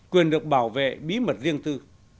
quyền được bảo vệ bí mật riêng tư